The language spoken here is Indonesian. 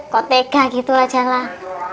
kok tega gitu aja lah